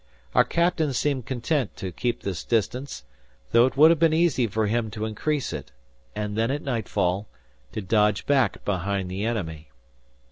Our captain seemed content to keep this distance; though it would have been easy for him to increase it, and then at nightfall, to dodge back behind the enemy.